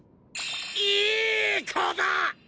いい子だ！